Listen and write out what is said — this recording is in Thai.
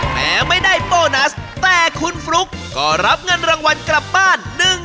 แม้ไม่ได้โบนัสแต่คุณฟลุ๊กก็รับเงินรางวัลกลับบ้าน